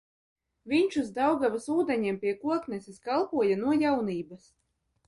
Viņš uz Daugavas ūdeņiem pie Kokneses kalpoja no jaunības.